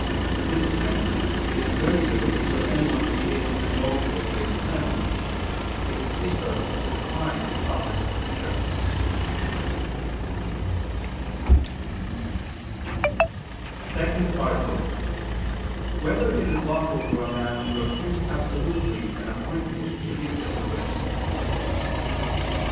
Since, then, it is very difficult for anyone to be able to know that he is cleansed, it is safer to decline the office of preacher." _______________________ SECOND ARTICLE [II II, Q. 185, Art. 2] Whether It Is Lawful for a Man to Refuse Absolutely an Appointment to the Episcopate?